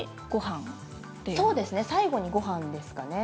最後にごはんですかね